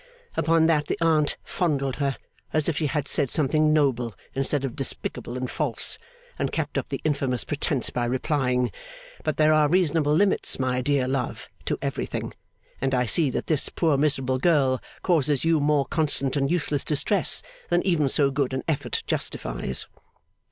Upon that the aunt fondled her, as if she had said something noble instead of despicable and false, and kept up the infamous pretence by replying, 'But there are reasonable limits, my dear love, to everything, and I see that this poor miserable girl causes you more constant and useless distress than even so good an effort justifies.